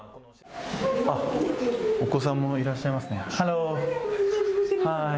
お子さんもいらっしゃいますね。